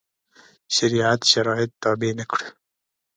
شریعت شرایط تابع نه کړو.